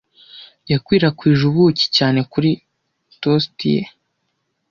Yakwirakwije ubuki cyane kuri toast ye.